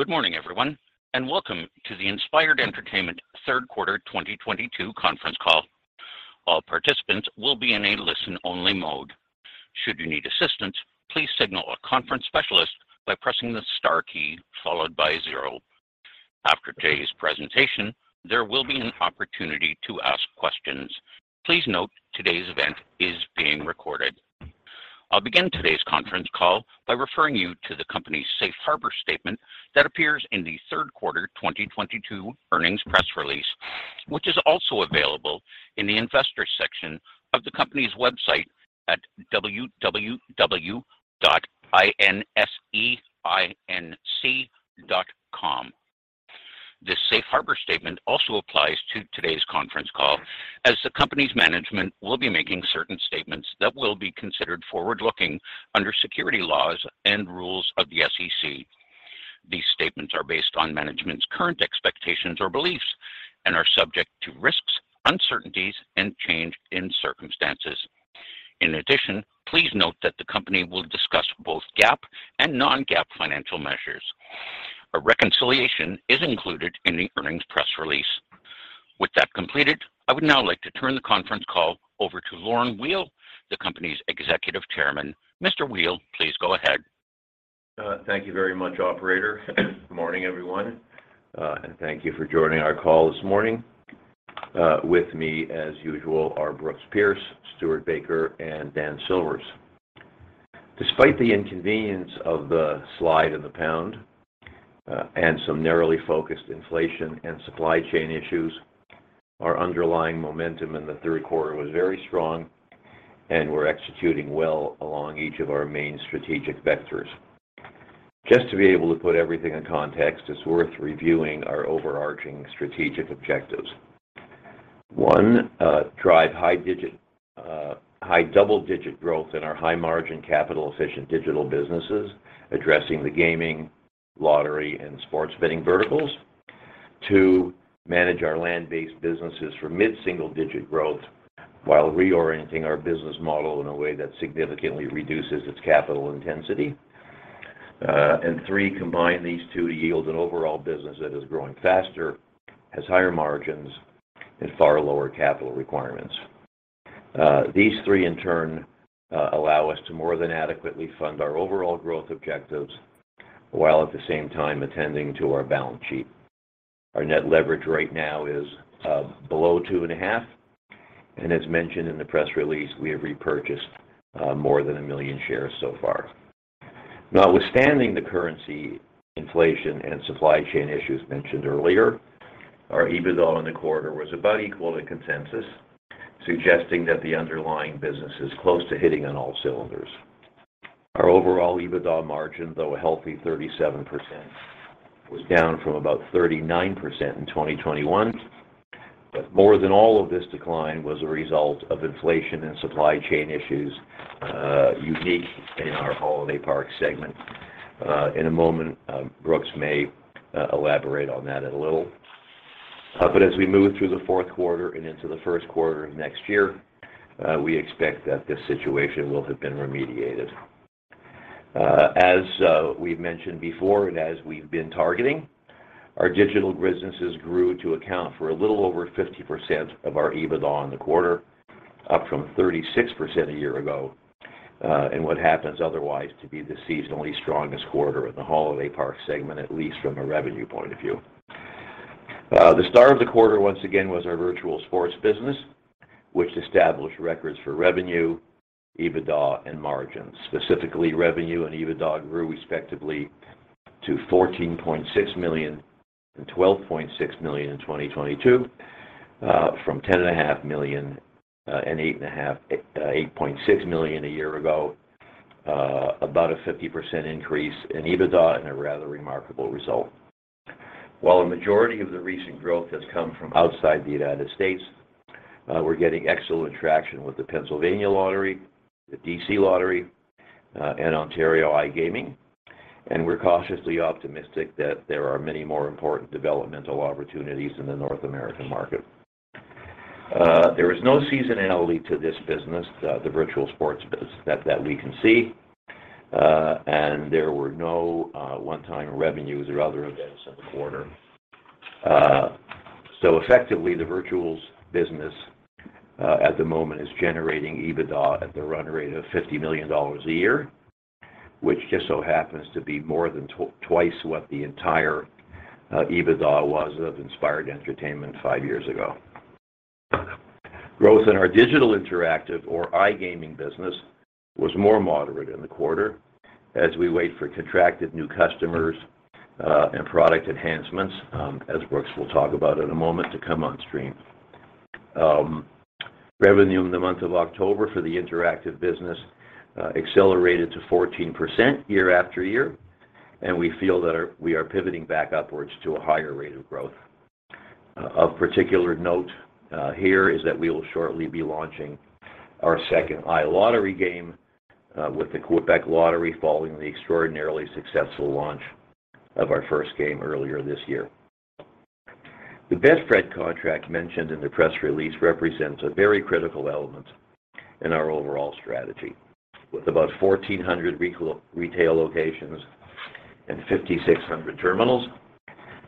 Good morning, everyone, and welcome to the Inspired Entertainment Third Quarter 2022 Conference Call. All participants will be in a listen-only mode. Should you need assistance, please signal a conference specialist by pressing the star key followed by zero. After today's presentation, there will be an opportunity to ask questions. Please note today's event is being recorded. I'll begin today's conference call by referring you to the company's safe harbor statement that appears in the third quarter 2022 earnings press release, which is also available in the Investors section of the company's website at www.inseinc.com. This safe harbor statement also applies to today's conference call as the company's management will be making certain statements that will be considered forward-looking under securities laws and rules of the SEC. These statements are based on management's current expectations or beliefs and are subject to risks, uncertainties, and change in circumstances. In addition, please note that the company will discuss both GAAP and non-GAAP financial measures. A reconciliation is included in the earnings press release. With that completed, I would now like to turn the conference call over to Lorne Weil, the company's Executive Chairman. Mr. Weil, please go ahead. Thank you very much, operator. Morning, everyone, and thank you for joining our call this morning. With me as usual are Brooks Pierce, Stewart Baker, and Dan Silvers. Despite the inconvenience of the slide in the pound, and some narrowly focused inflation and supply chain issues, our underlying momentum in the third quarter was very strong, and we're executing well along each of our main strategic vectors. Just to be able to put everything in context, it's worth reviewing our overarching strategic objectives. One, drive high double-digit growth in our high-margin, capital-efficient digital businesses, addressing the gaming, lottery, and sports betting verticals. Two, manage our land-based businesses for mid-single-digit growth while reorienting our business model in a way that significantly reduces its capital intensity. Three, combine these two to yield an overall business that is growing faster, has higher margins, and far lower capital requirements. These three in turn allow us to more than adequately fund our overall growth objectives while at the same time attending to our balance sheet. Our net leverage right now is below 2.5, and as mentioned in the press release, we have repurchased more than 1 million shares so far. Notwithstanding the currency inflation and supply chain issues mentioned earlier, our EBITDA in the quarter was about equal to consensus, suggesting that the underlying business is close to hitting on all cylinders. Our overall EBITDA margin, though a healthy 37%, was down from about 39% in 2021. More than all of this decline was a result of inflation and supply chain issues, unique in our holiday park segment. In a moment, Brooks may elaborate on that a little. As we move through the fourth quarter and into the first quarter of next year, we expect that this situation will have been remediated. As we've mentioned before and as we've been targeting, our digital businesses grew to account for a little over 50% of our EBITDA in the quarter, up from 36% a year ago, and what happens otherwise to be the seasonally strongest quarter in the holiday park segment, at least from a revenue point of view. The star of the quarter once again was our virtual sports business, which established records for revenue, EBITDA, and margins. Specifically, revenue and EBITDA grew respectively to $14.6 million and $12.6 million in 2022, from $10.5 million and $8.6 million a year ago, about a 50% increase in EBITDA and a rather remarkable result. While a majority of the recent growth has come from outside the United States, we're getting excellent traction with the Pennsylvania Lottery, the DC Lottery, and Ontario iGaming, and we're cautiously optimistic that there are many more important developmental opportunities in the North American market. There is no seasonality to this business, that we can see, and there were no one-time revenues or other events in the quarter. Effectively the virtuals business at the moment is generating EBITDA at the run rate of $50 million a year, which just so happens to be more than twice what the entire EBITDA was of Inspired Entertainment five years ago. Growth in our digital interactive or iGaming business was more moderate in the quarter as we wait for contracted new customers and product enhancements, as Brooks will talk about in a moment, to come on stream. Revenue in the month of October for the interactive business accelerated to 14% year-over-year, and we feel that we are pivoting back upwards to a higher rate of growth. Of particular note, here is that we will shortly be launching our second iLottery game with Loto-Québec following the extraordinarily successful launch of our first game earlier this year. The Betfred contract mentioned in the press release represents a very critical element in our overall strategy. With about 1,400 retail locations and 5,600 terminals,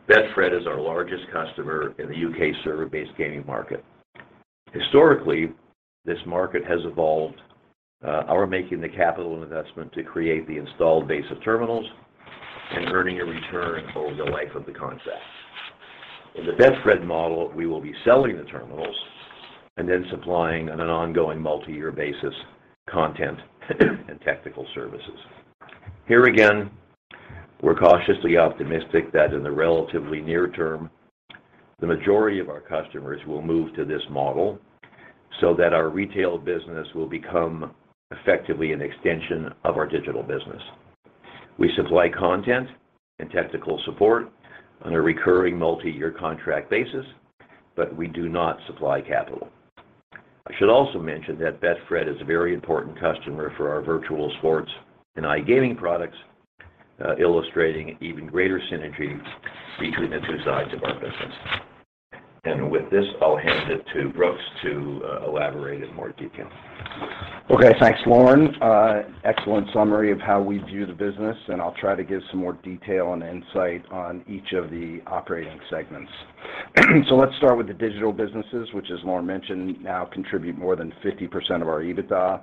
Betfred is our largest customer in the U.K. server-based gaming market. Historically, this market has evolved around our making the capital investment to create the installed base of terminals and earning a return over the life of the contract. In the Betfred model, we will be selling the terminals and then supplying on an ongoing multi-year basis, content and technical services. Here again, we're cautiously optimistic that in the relatively near term, the majority of our customers will move to this model so that our retail business will become effectively an extension of our digital business. We supply content and technical support on a recurring multi-year contract basis, but we do not supply capital. I should also mention that Betfred is a very important customer for our virtual sports and iGaming products, illustrating even greater synergy between the two sides of our business. With this, I'll hand it to Brooks to elaborate in more detail. Okay. Thanks, Lorne. Excellent summary of how we view the business, and I'll try to give some more detail and insight on each of the operating segments. Let's start with the digital businesses, which as Lorne mentioned, now contribute more than 50% of our EBITDA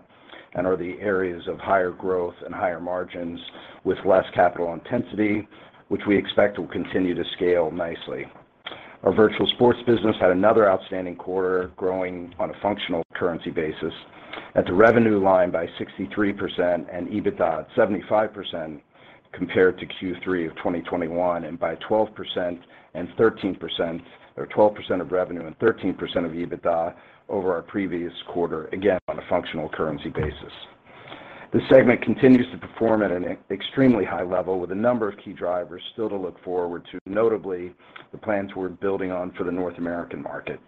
and are the areas of higher growth and higher margins with less capital intensity, which we expect will continue to scale nicely. Our virtual sports business had another outstanding quarter growing on a functional currency basis at the revenue line by 63% and EBITDA at 75% compared to Q3 of 2021, and by 12% and 13%, or 12% of revenue and 13% of EBITDA over our previous quarter, again, on a functional currency basis. This segment continues to perform at an extremely high level with a number of key drivers still to look forward to, notably the plans we're building on for the North American market.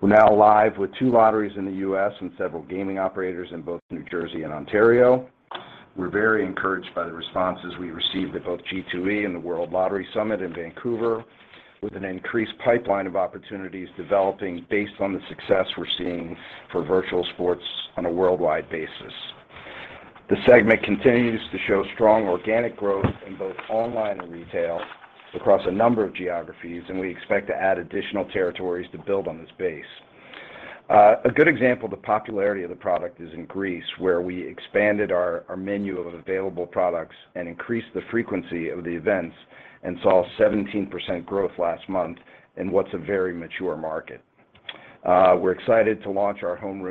We're now live with two lotteries in the U.S. and several gaming operators in both New Jersey and Ontario. We're very encouraged by the responses we received at both G2E and the World Lottery Summit in Vancouver with an increased pipeline of opportunities developing based on the success we're seeing for virtual sports on a worldwide basis. The segment continues to show strong organic growth in both online and retail across a number of geographies, and we expect to add additional territories to build on this base. A good example of the popularity of the product is in Greece, where we expanded our menu of available products and increased the frequency of the events and saw 17% growth last month in what's a very mature market. We're excited to launch our Home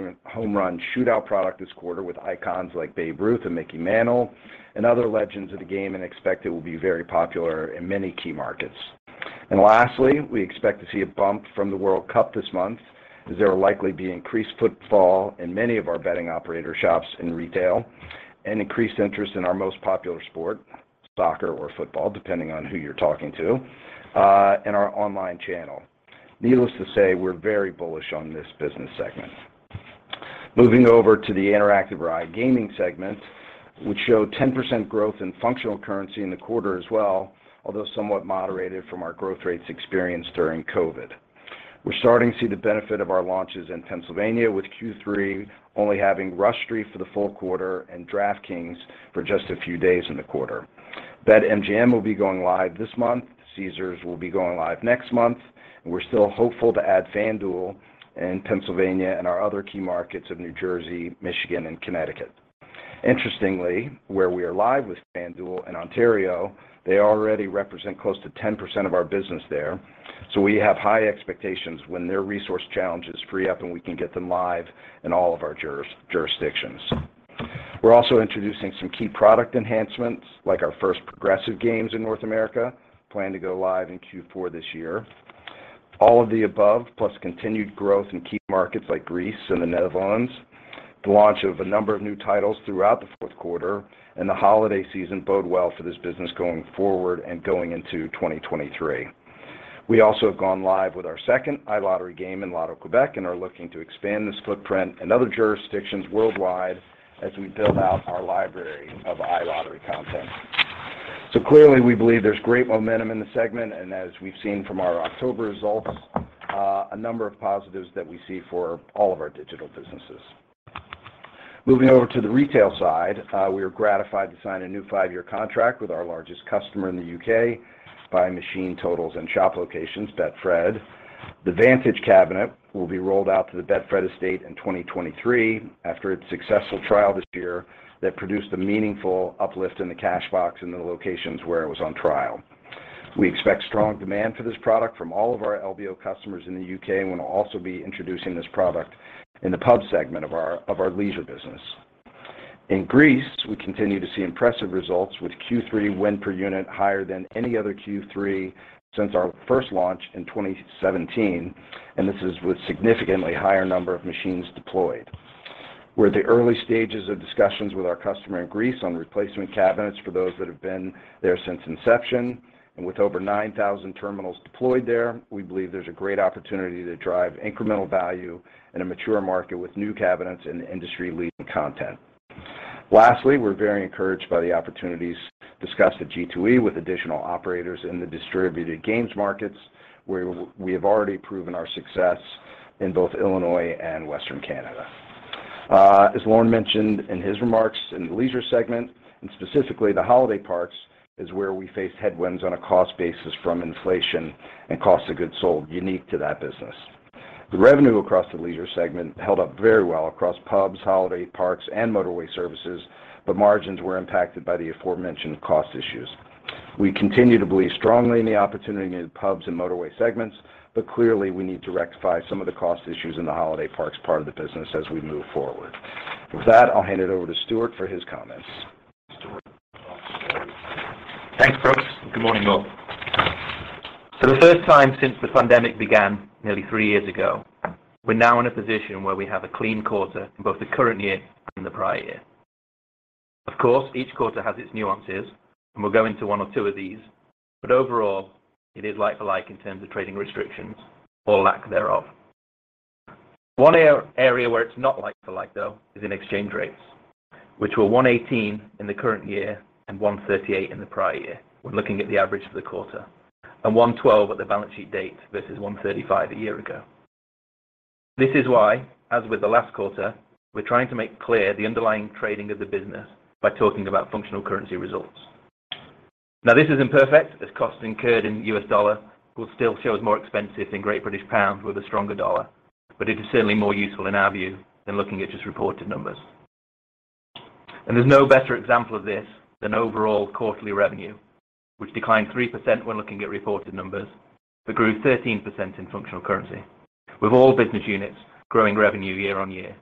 Run Shootout product this quarter with icons like Babe Ruth and Mickey Mantle and other legends of the game, and expect it will be very popular in many key markets. Lastly, we expect to see a bump from the World Cup this month as there will likely be increased footfall in many of our betting operator shops in retail and increased interest in our most popular sport, soccer or football, depending on who you're talking to, in our online channel. Needless to say, we're very bullish on this business segment. Moving over to the interactive or iGaming segment, which showed 10% growth in functional currency in the quarter as well, although somewhat moderated from our growth rates experienced during COVID. We're starting to see the benefit of our launches in Pennsylvania, with Q3 only having Rush Street for the full quarter and DraftKings for just a few days in the quarter. BetMGM will be going live this month, Caesars will be going live next month, and we're still hopeful to add FanDuel in Pennsylvania and our other key markets of New Jersey, Michigan, and Connecticut. Interestingly, where we are live with FanDuel in Ontario, they already represent close to 10% of our business there. We have high expectations when their resource challenges free up, and we can get them live in all of our jurisdictions. We're also introducing some key product enhancements, like our first progressive games in North America, plan to go live in Q4 this year. All of the above, plus continued growth in key markets like Greece and the Netherlands, the launch of a number of new titles throughout the fourth quarter, and the holiday season bode well for this business going forward and going into 2023. We also have gone live with our second iLottery game in Loto-Québec and are looking to expand this footprint in other jurisdictions worldwide as we build out our library of iLottery content. Clearly, we believe there's great momentum in the segment, and as we've seen from our October results, a number of positives that we see for all of our digital businesses. Moving over to the retail side, we are gratified to sign a new 5-year contract with our largest customer in the U.K. by machine totals and shop locations, Betfred. The Vantage cabinet will be rolled out to the Betfred estate in 2023 after its successful trial this year that produced a meaningful uplift in the cash box in the locations where it was on trial. We expect strong demand for this product from all of our LBO customers in the U.K. and will also be introducing this product in the pub segment of our leisure business. In Greece, we continue to see impressive results with Q3 win per unit higher than any other Q3 since our first launch in 2017, and this is with significantly higher number of machines deployed. We're at the early stages of discussions with our customer in Greece on replacement cabinets for those that have been there since inception. With over 9,000 terminals deployed there, we believe there's a great opportunity to drive incremental value in a mature market with new cabinets and industry-leading content. Lastly, we're very encouraged by the opportunities discussed at G2E with additional operators in the distributed games markets where we have already proven our success in both Illinois and Western Canada. As Lorne mentioned in his remarks in the leisure segment and specifically the holiday parks is where we faced headwinds on a cost basis from inflation and cost of goods sold unique to that business. The revenue across the leisure segment held up very well across pubs, holiday parks and motorway services, but margins were impacted by the aforementioned cost issues. We continue to believe strongly in the opportunity in pubs and motorway segments, but clearly we need to rectify some of the cost issues in the holiday parks part of the business as we move forward. With that, I'll hand it over to Stewart for his comments. Stewart. Thanks, Brooks. Good morning, all. For the first time since the pandemic began nearly three years ago, we're now in a position where we have a clean quarter in both the current year and the prior year. Of course, each quarter has its nuances, and we'll go into one or two of these, but overall, it is like for like in terms of trading restrictions or lack thereof. One area where it's not like for like, though, is in exchange rates, which were 1.18 in the current year and 1.38 in the prior year. We're looking at the average for the quarter. 1.12 at the balance sheet date versus 1.35 a year ago. This is why, as with the last quarter, we're trying to make clear the underlying trading of the business by talking about functional currency results. Now, this isn't perfect, as costs incurred in U.S. dollar will still show as more expensive than British pound with a stronger dollar, but it is certainly more useful in our view than looking at just reported numbers. There's no better example of this than overall quarterly revenue, which declined 3% when looking at reported numbers but grew 13% in functional currency, with all business units growing revenue year-on-year.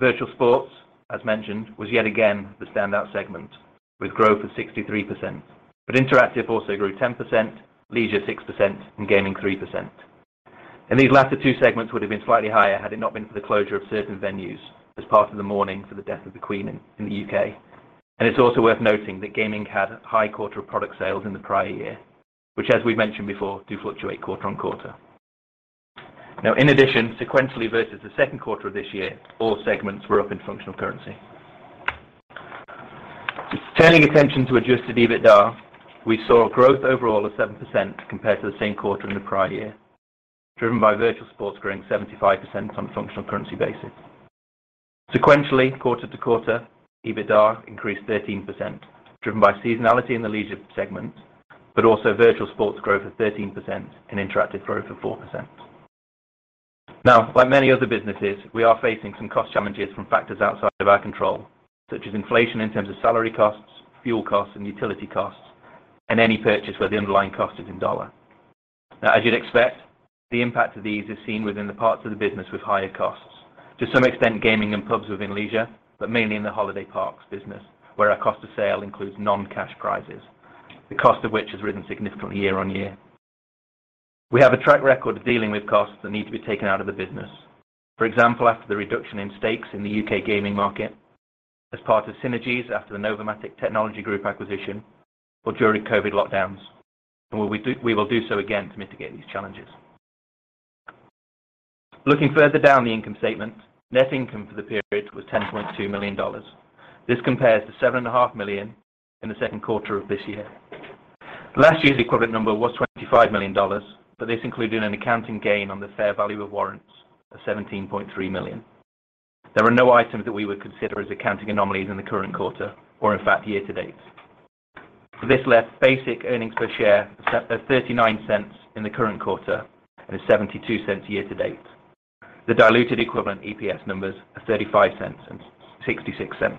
Virtual Sports, as mentioned, was yet again the standout segment, with growth of 63%. Interactive also grew 10%, Leisure 6%, and Gaming 3%. These latter two segments would have been slightly higher had it not been for the closure of certain venues as part of the mourning for the death of the Queen in the UK. It's also worth noting that gaming had high quarter product sales in the prior year, which as we've mentioned before, do fluctuate quarter-over-quarter. Now in addition, sequentially versus the second quarter of this year, all segments were up in functional currency. Turning attention to adjusted EBITDA, we saw growth overall of 7% compared to the same quarter in the prior year, driven by virtual sports growing 75% on a functional currency basis. Sequentially, quarter-over-quarter, EBITDA increased 13%, driven by seasonality in the leisure segment, but also virtual sports growth of 13% and interactive growth of 4%. Now, like many other businesses, we are facing some cost challenges from factors outside of our control, such as inflation in terms of salary costs, fuel costs and utility costs, and any purchase where the underlying cost is in dollars. Now, as you'd expect, the impact of these is seen within the parts of the business with higher costs. To some extent, gaming and pubs within leisure, but mainly in the holiday parks business, where our cost of sale includes non-cash prizes, the cost of which has risen significantly year on year. We have a track record of dealing with costs that need to be taken out of the business. For example, after the reduction in stakes in the U.K. gaming market as part of synergies after the Novomatic Technology Group acquisition or during COVID lockdowns, and we will do so again to mitigate these challenges. Looking further down the income statement, net income for the period was $10.2 million. This compares to $7.5 million in the second quarter of this year. Last year's equivalent number was $25 million, but this included an accounting gain on the fair value of warrants of $17.3 million. There are no items that we would consider as accounting anomalies in the current quarter or in fact year to date. This left basic earnings per share at $0.39 in the current quarter and at $0.72 year to date. The diluted equivalent EPS numbers are $0.35 and $0.66.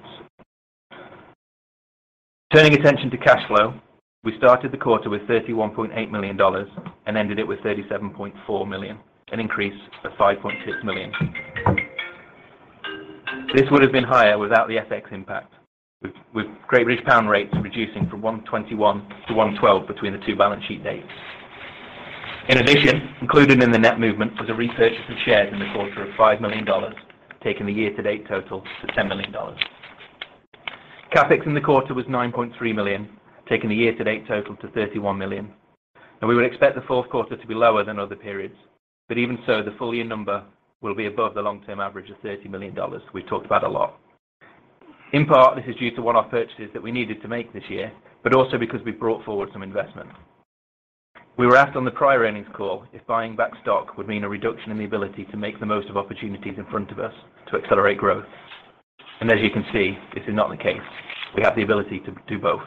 Turning attention to cash flow, we started the quarter with $31.8 million and ended it with $37.4 million, an increase of $5.6 million. This would have been higher without the FX impact, with Great British Pound rates reducing from 1.21 to 1.12 between the two balance sheet dates. In addition, included in the net movement was a repurchase of shares in the quarter of $5 million, taking the year-to-date total to $10 million. CapEx in the quarter was $9.3 million, taking the year-to-date total to $31 million. Now we would expect the fourth quarter to be lower than other periods, but even so, the full year number will be above the long-term average of $30 million we've talked about a lot. In part, this is due to one-off purchases that we needed to make this year, but also because we brought forward some investments. We were asked on the prior earnings call if buying back stock would mean a reduction in the ability to make the most of opportunities in front of us to accelerate growth. As you can see, this is not the case. We have the ability to do both.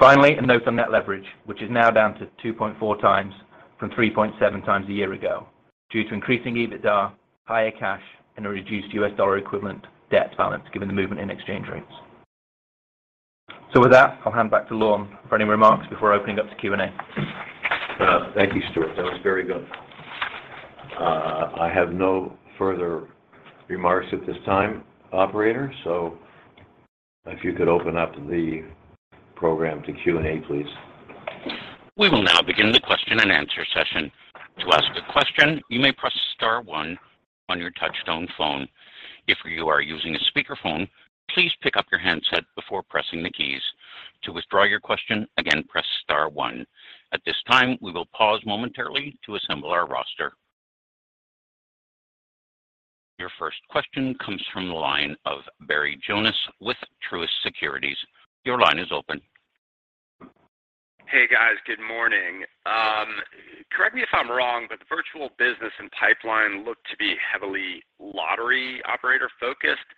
Finally, a note on net leverage, which is now down to 2.4x from 3.7x a year ago, due to increasing EBITDA, higher cash, and a reduced US dollar equivalent debt balance given the movement in exchange rates. With that, I'll hand back to Lorne for any remarks before opening up to Q&A. Thank you, Stewart. That was very good. I have no further remarks at this time, operator. If you could open up the program to Q&A, please. We will now begin the question and answer session. To ask a question, you may press star one on your touch-tone phone. If you are using a speakerphone, please pick up your handset before pressing the keys. To withdraw your question, again press star one. At this time, we will pause momentarily to assemble our roster. Your first question comes from the line of Barry Jonas with Truist Securities. Your line is open. Hey, guys. Good morning. Correct me if I'm wrong, but the virtual business and pipeline look to be heavily lottery operator-focused.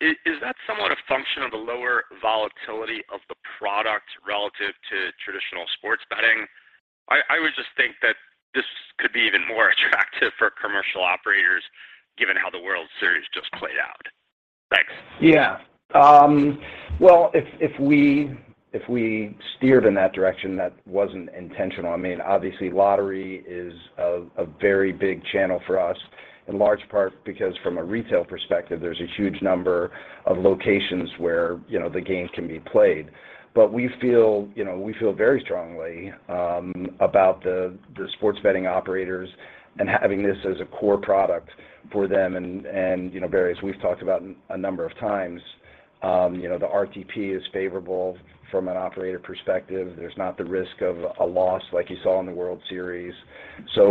Is that somewhat a function of the lower volatility of the product relative to traditional sports betting? I would just think that this could be even more attractive for commercial operators given how the World Series just played out. Thanks. Yeah. Well, if we steered in that direction, that wasn't intentional. I mean, obviously lottery is a very big channel for us, in large part because from a retail perspective, there's a huge number of locations where you know the game can be played. We feel you know we feel very strongly about the sports betting operators and having this as a core product for them and you know. We've talked about a number of times you know the RTP is favorable from an operator perspective. There's not the risk of a loss like you saw in the World Series.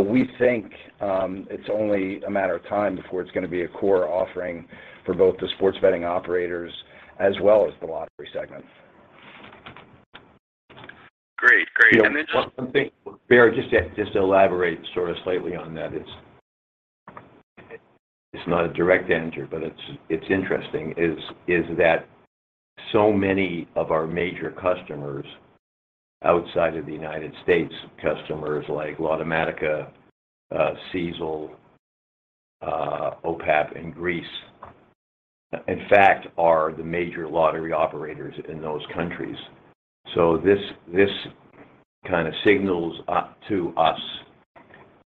We think it's only a matter of time before it's gonna be a core offering for both the sports betting operators as well as the lottery segment. Great. You know, one thing, Barry, just to elaborate sort of slightly on that is. It's not a direct answer, but it's interesting that so many of our major customers outside of the United States, customers like Lottomatica, Sisal, OPAP in Greece, in fact, are the major lottery operators in those countries. So this kind of signals up to us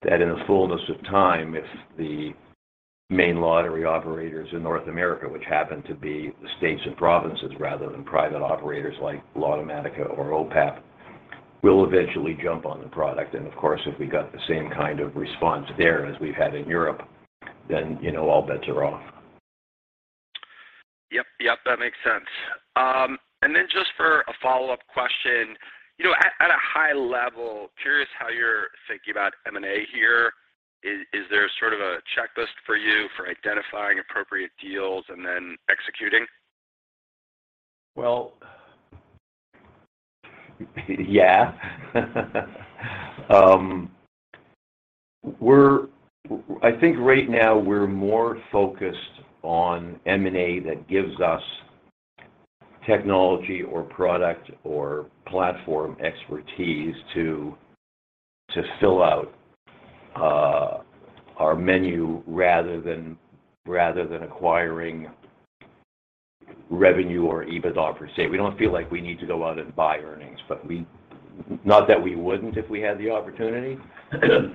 that in the fullness of time, if the main lottery operators in North America, which happen to be the states and provinces rather than private operators like Lottomatica or OPAP, will eventually jump on the product. Of course, if we got the same kind of response there as we've had in Europe, then you know, all bets are off. Yep. Yep, that makes sense. Then just for a follow-up question, you know, at a high level, curious how you're thinking about M&A here. Is there sort of a checklist for you for identifying appropriate deals and then executing? Well, yeah. I think right now we're more focused on M&A that gives us technology or product or platform expertise to fill out our menu rather than acquiring revenue or EBITDA per se. We don't feel like we need to go out and buy earnings, but not that we wouldn't if we had the opportunity,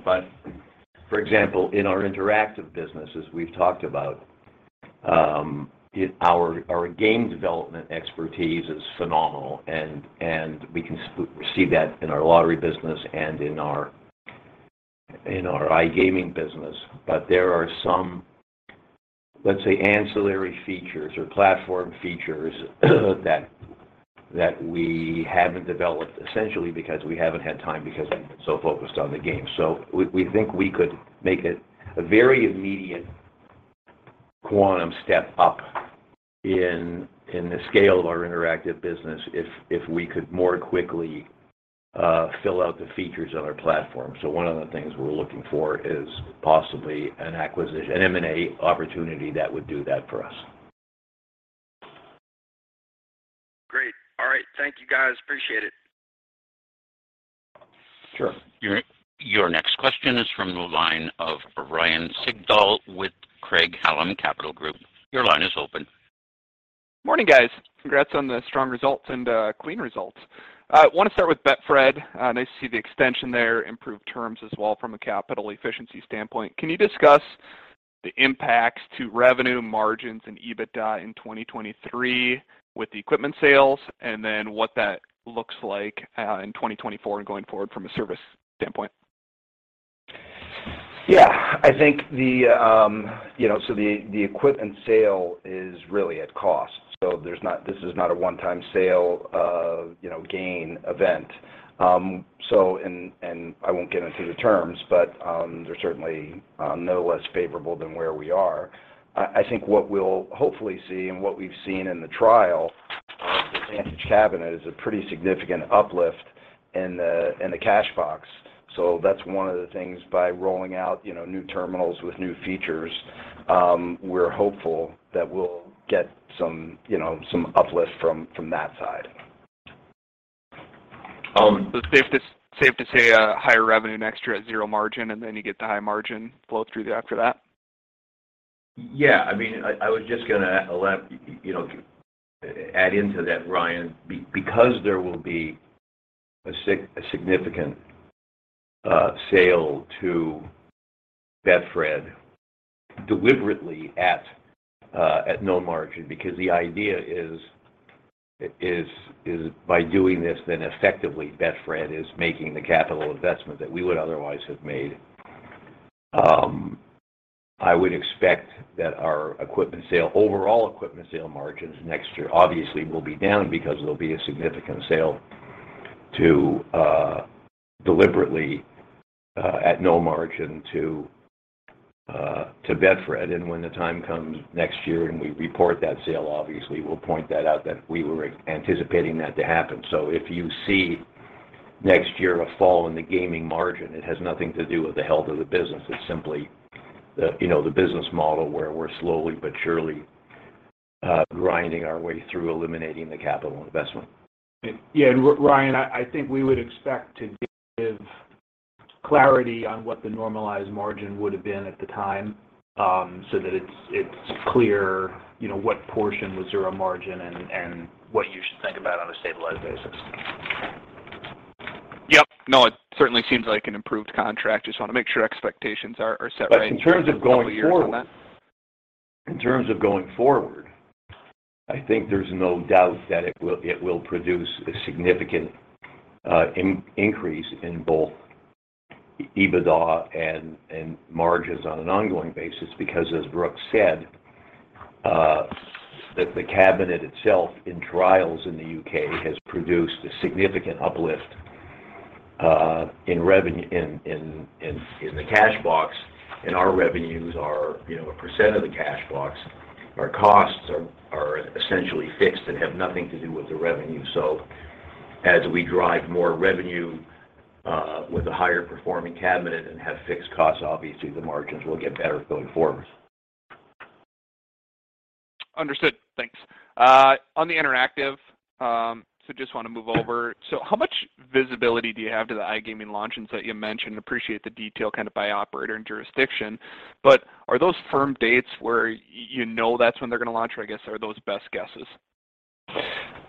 but for example, in our interactive business, as we've talked about, our game development expertise is phenomenal, and we can see that in our lottery business and in our iGaming business. There are some, let's say, ancillary features or platform features that we haven't developed essentially because we haven't had time because we've been so focused on the game. We think we could make a very immediate quantum step up in the scale of our interactive business if we could more quickly fill out the features on our platform. One of the things we're looking for is possibly an acquisition, an M&A opportunity that would do that for us. Great. All right. Thank you guys, appreciate it. Sure. Your next question is from the line of Ryan Sigdahl with Craig-Hallum Capital Group. Your line is open. Morning, guys. Congrats on the strong results and, clean results. Wanna start with Betfred. Nice to see the extension there, improved terms as well from a capital efficiency standpoint. Can you discuss the impacts to revenue margins and EBITDA in 2023 with the equipment sales, and then what that looks like, in 2024 and going forward from a service standpoint? Yeah. I think the equipment sale is really at cost. This is not a one-time sale, you know, gain event. I won't get into the terms, but they're certainly no less favorable than where we are. I think what we'll hopefully see and what we've seen in the trial of the Vantage cabinet is a pretty significant uplift in the cash box. That's one of the things by rolling out, you know, new terminals with new features. We're hopeful that we'll get some, you know, some uplift from that side. It's safe to say higher revenue next year at zero margin, and then you get the high margin flow through after that? Yeah. I mean, I was just gonna you know, add into that, Ryan, because there will be a significant sale to Betfred deliberately at no margin because the idea is by doing this, then effectively Betfred is making the capital investment that we would otherwise have made. I would expect that our equipment sale, overall equipment sale margins next year obviously will be down because there'll be a significant sale deliberately at no margin to Betfred. When the time comes next year and we report that sale, obviously we'll point that out that we were anticipating that to happen. If you see next year a fall in the gaming margin, it has nothing to do with the health of the business. It's simply the, you know, the business model where we're slowly but surely grinding our way through eliminating the capital investment. Yeah. Ryan, I think we would expect to give clarity on what the normalized margin would have been at the time, so that it's clear, you know, what portion was zero margin and what you should think about on a stabilized basis. Yep. No, it certainly seems like an improved contract. Just wanna make sure expectations are set right- In terms of going forward. -for the coming years on that. In terms of going forward, I think there's no doubt that it will produce a significant increase in both EBITDA and margins on an ongoing basis. Because as Brooks said, that the cabinet itself in trials in the U.K. has produced a significant uplift in the cash box, and our revenues are, you know, a percent of the cash box. Our costs are essentially fixed and have nothing to do with the revenue. As we drive more revenue with a higher performing cabinet and have fixed costs, obviously the margins will get better going forward. Understood. Thanks. On the interactive, just wanna move over. How much visibility do you have to the iGaming launches that you mentioned? Appreciate the detail kind of by operator and jurisdiction, but are those firm dates where you know that's when they're gonna launch, or I guess are those best guesses?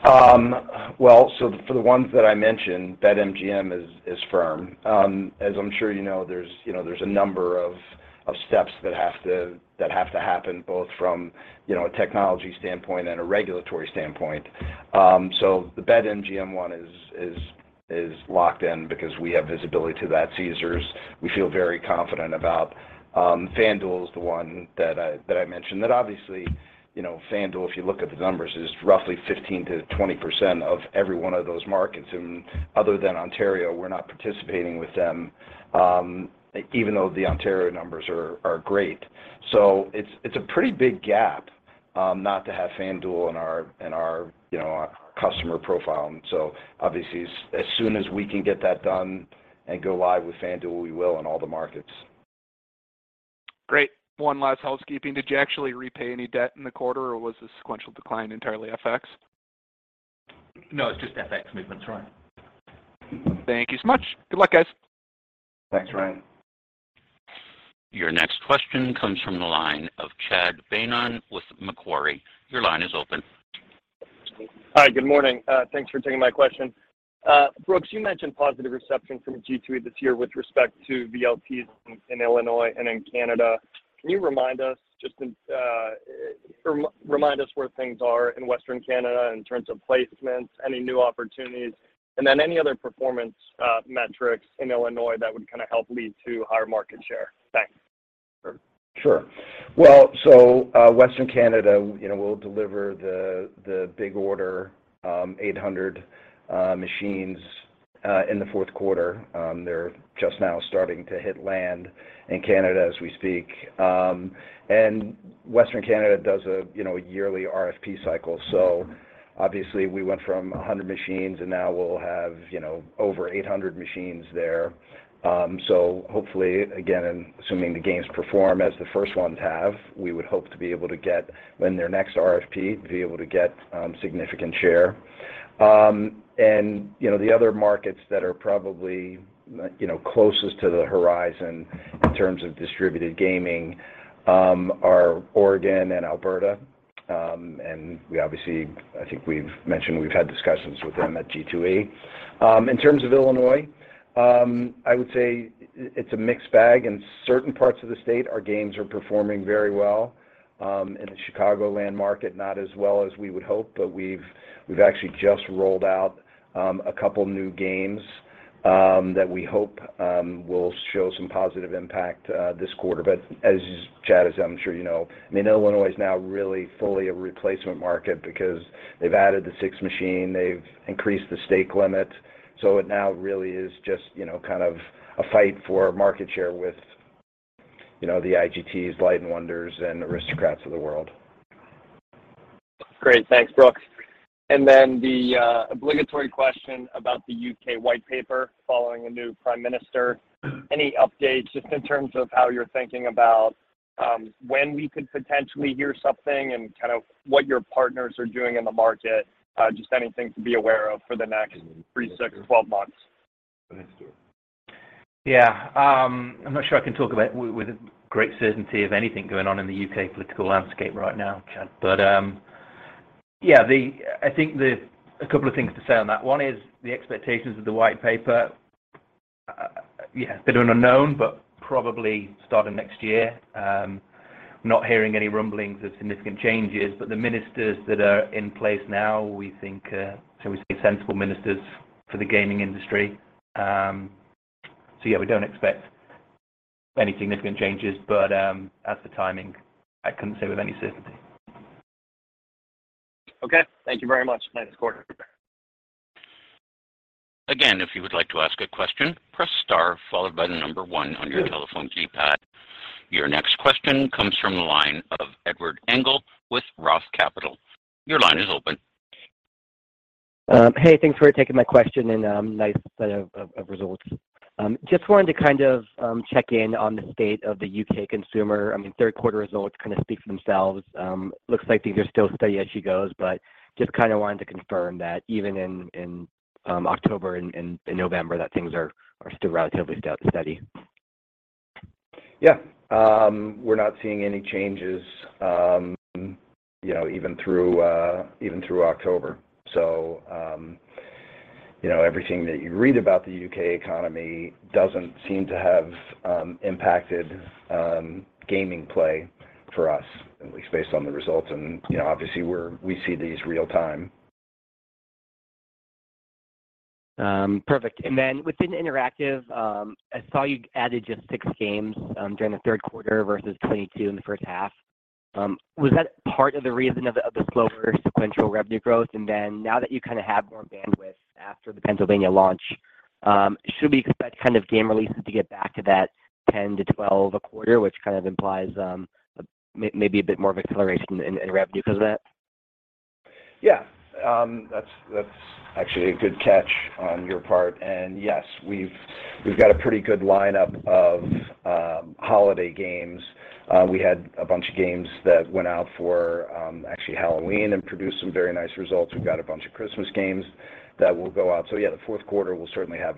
For the ones that I mentioned, BetMGM is firm. As I'm sure you know, you know, there's a number of steps that have to happen, both from you know a technology standpoint and a regulatory standpoint. The BetMGM one is locked in because we have visibility to that. Caesars, we feel very confident about. FanDuel is the one that I mentioned that obviously, you know, FanDuel, if you look at the numbers, is roughly 15%-20% of every one of those markets, and other than Ontario, we're not participating with them, even though the Ontario numbers are great. It's a pretty big gap not to have FanDuel in our, you know, our customer profile. Obviously, as soon as we can get that done and go live with FanDuel, we will in all the markets. Great. One last housekeeping. Did you actually repay any debt in the quarter, or was the sequential decline entirely FX? No, it's just FX movements, Ryan. Thank you so much. Good luck, guys. Thanks, Ryan. Your next question comes from the line of Chad Beynon with Macquarie. Your line is open. Hi. Good morning. Thanks for taking my question. Brooks, you mentioned positive reception from G2E this year with respect to VLTs in Illinois and in Canada. Can you remind us where things are in Western Canada in terms of placements, any new opportunities, and then any other performance metrics in Illinois that would kind of help lead to higher market share? Thanks. Sure. Well, Western Canada, you know, we'll deliver the big order, 800 machines in the fourth quarter. They're just now starting to hit land in Canada as we speak. Western Canada does, you know, a yearly RFP cycle. Obviously we went from 100 machines, and now we'll have, you know, over 800 machines there. Hopefully, again, and assuming the games perform as the first ones have, we would hope to be able to win their next RFP to be able to get significant share. The other markets that are probably, you know, closest to the horizon in terms of distributed gaming are Oregon and Alberta. We obviously, I think we've mentioned we've had discussions with them at G2E. In terms of Illinois, I would say it's a mixed bag. In certain parts of the state, our games are performing very well. In the Chicagoland market, not as well as we would hope, but we've actually just rolled out a couple new games that we hope will show some positive impact this quarter. Chad, as I'm sure you know, I mean, Illinois is now really fully a replacement market because they've added the sixth machine, they've increased the stake limit, so it now really is just, you know, kind of a fight for market share with, you know, the IGTs, Light & Wonder and Aristocrats of the world. Great. Thanks, Brooks. The obligatory question about the U.K. White Paper following a new prime minister. Any updates just in terms of how you're thinking about when we could potentially hear something and kind of what your partners are doing in the market? Just anything to be aware of for the next 3, 6, 12 months? Yeah. I'm not sure I can talk about with great certainty of anything going on in the U.K. political landscape right now, Chad. I think a couple of things to say on that. One is the expectations of the white paper, a bit of an unknown, but probably starting next year. Not hearing any rumblings of significant changes, but the ministers that are in place now, we think, shall we say sensible ministers for the gaming industry. We don't expect any significant changes, but as for timing, I couldn't say with any certainty. Okay. Thank you very much. Nice quarter. Again, if you would like to ask a question, press star followed by the number one on your telephone keypad. Your next question comes from the line of Edward Engel with Roth Capital. Your line is open. Hey, thanks for taking my question and, nice set of results. Just wanted to kind of check in on the state of the U.K. consumer. I mean, third quarter results kinda speak for themselves. Looks like things are still steady as she goes, but just kinda wanted to confirm that even in October and November, that things are still relatively steady. Yeah. We're not seeing any changes, you know, even through October. Everything that you read about the U.K. economy doesn't seem to have impacted gaming play for us, at least based on the results. You know, obviously we see these real time. Perfect. Within Interactive, I saw you added just 6 games during the third quarter versus 22 in the first half. Was that part of the reason for the slower sequential revenue growth? Now that you kinda have more bandwidth after the Pennsylvania launch, should we expect kind of game releases to get back to that 10-12 a quarter, which kind of implies maybe a bit more of acceleration in revenue because of that? Yeah. That's actually a good catch on your part. Yes, we've got a pretty good lineup of holiday games. We had a bunch of games that went out for actually Halloween and produced some very nice results. We've got a bunch of Christmas games that will go out. Yeah, the fourth quarter will certainly have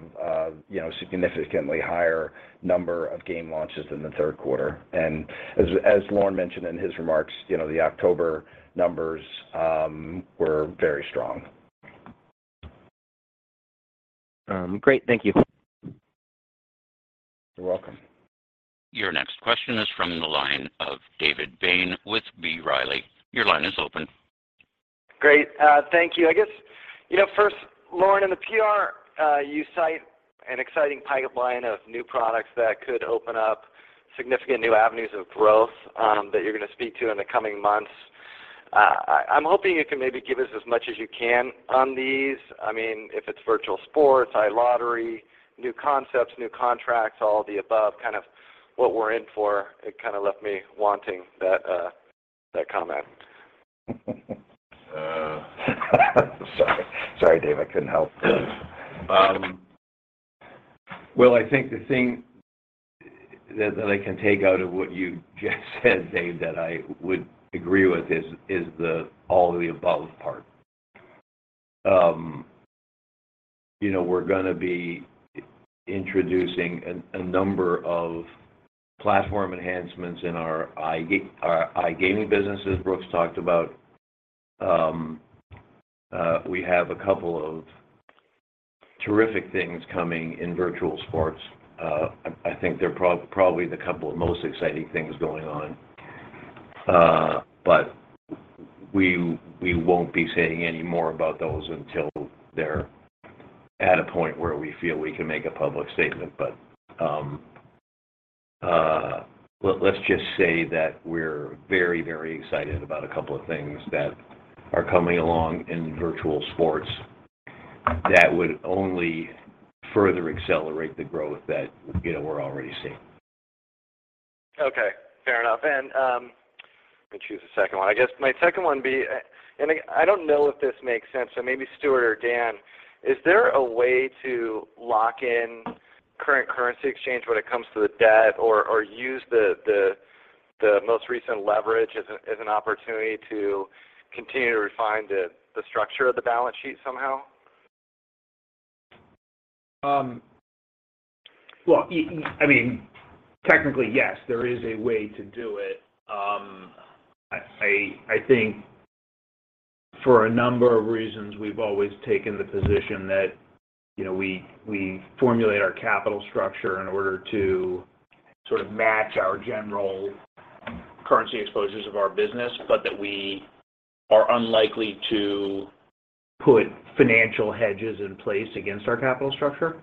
you know, significantly higher number of game launches than the third quarter. As Lorne mentioned in his remarks, you know, the October numbers were very strong. Great. Thank you. You're welcome. Your next question is from the line of David Bain with B. Riley. Your line is open. Great. Thank you. I guess, you know, first, Lorne, in the PR, you cite an exciting pipeline of new products that could open up significant new avenues of growth, that you're gonna speak to in the coming months. I'm hoping you can maybe give us as much as you can on these. I mean, if it's virtual sports, iLottery, new concepts, new contracts, all of the above, kind of what we're in for. It kind of left me wanting that comment. Sorry. Sorry, Dave, I couldn't help. Well, I think the thing that I can take out of what you just said, Dave, that I would agree with is the all of the above part. You know, we're gonna be introducing a number of platform enhancements in our iGaming business, as Brooks talked about. We have a couple of terrific things coming in virtual sports. I think they're probably the couple of most exciting things going on. We won't be saying any more about those until they're at a point where we feel we can make a public statement. Let's just say that we're very, very excited about a couple of things that are coming along in virtual sports that would only further accelerate the growth that, you know, we're already seeing. Okay. Fair enough. Let me choose a second one. I don't know if this makes sense, so maybe Stewart or Dan. Is there a way to lock in current currency exchange when it comes to the debt or use the most recent leverage as an opportunity to continue to refine the structure of the balance sheet somehow? Well, I mean, technically yes, there is a way to do it. I think for a number of reasons, we've always taken the position that, you know, we formulate our capital structure in order to sort of match our general currency exposures of our business, but that we are unlikely to put financial hedges in place against our capital structure.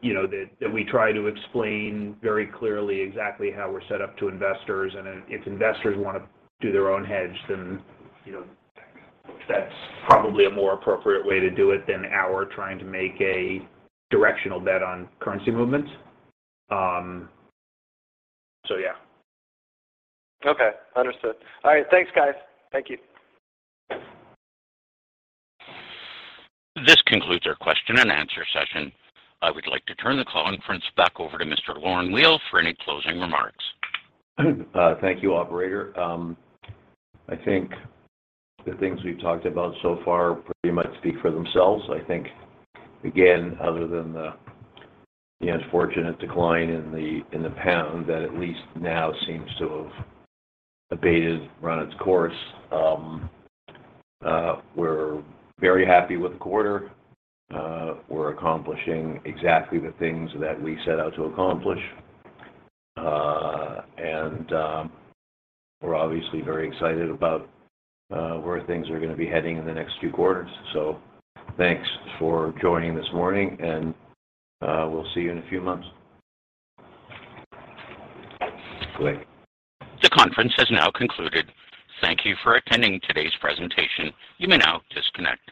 You know, that we try to explain very clearly exactly how we're set up to investors. If investors wanna do their own hedge, then, you know, that's probably a more appropriate way to do it than our trying to make a directional bet on currency movements. Okay. Understood. All right. Thanks, guys. Thank you. This concludes our question and answer session. I would like to turn the conference back over to Mr. Lorne Weil for any closing remarks. Thank you, operator. I think the things we've talked about so far pretty much speak for themselves. I think, again, other than the unfortunate decline in the pound that at least now seems to have abated, run its course, we're very happy with the quarter. We're accomplishing exactly the things that we set out to accomplish. We're obviously very excited about where things are gonna be heading in the next few quarters. Thanks for joining this morning, and we'll see you in a few months. Great. The conference has now concluded. Thank you for attending today's presentation. You may now disconnect.